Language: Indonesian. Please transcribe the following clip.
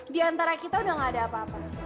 di antara kita udah gak ada apa apa